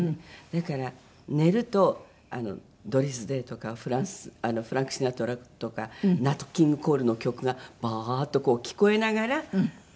だから寝るとドリス・デイとかフランク・シナトラとかナット・キング・コールの曲がバーッとこう聞こえながら寝てました。